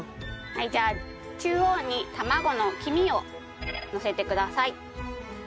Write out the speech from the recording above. じゃあ中央に卵の黄身をのせてください。